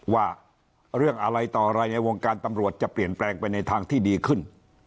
ว่าเรื่องอะไรต่ออะไรในวงการตำรวจจะเปลี่ยนแปลงไปในทางที่ดีขึ้น